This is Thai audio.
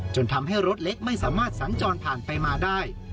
จนทำให้รถเล็กไม่สามารถสัญจรผ่านไปมาได้